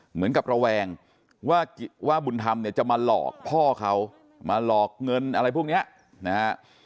เหมือนกับระแวงว่าบุญธรรมเนี่ยจะมาหลอกพ่อเขามาหลอกเงินอะไรพวกนี้นะฮะ